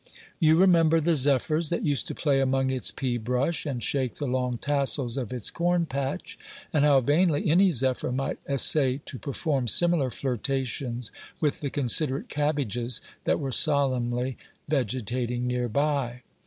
You remember the zephyrs that used to play among its pea brush, and shake the long tassels of its corn patch, and how vainly any zephyr might essay to perform similar flirtations with the considerate cabbages that were solemnly vegetating near by.